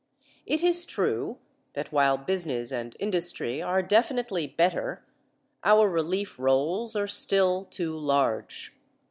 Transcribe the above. It is true that while business and industry are definitely better our relief rolls are still too large.